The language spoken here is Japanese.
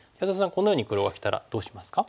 このように黒がきたらどうしますか？